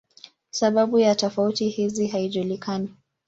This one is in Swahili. Sababu ya tofauti hizi haijulikani.